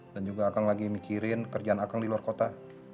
dan juga aku lagi mikirin kerjaan aku di luar kota